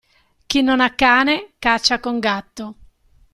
Chi non ha cane, caccia con gatto.